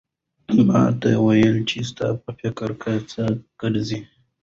ما ته وایه چې ستا په فکر کې څه ګرځي؟